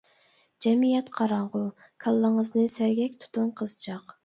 جەمئىيەت قاراڭغۇ كاللىڭىزنى سەگەك تۇتۇڭ قىزچاق.